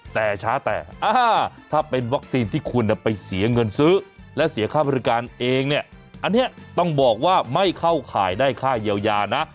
แต่ช้าแต่ถ้าเป็นวัคซีนที่คุณไปเสียเงินซื้อและเสียค่าบริการเองเนี่ยอันนี้ต้องบอกว่าไม่เข้าข่ายได้ค่าเยียวยานะ